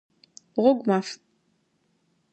Гъогумаф!